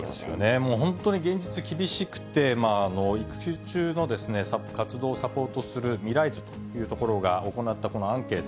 もう本当に現実、厳しくて、育休中の活動をサポートするミライズというところが行ったこのアンケート。